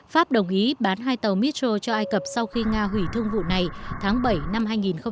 pháp đồng ý bán hai tàu mitcher cho ai cập sau khi nga hủy thương vụ này tháng bảy năm hai nghìn một mươi chín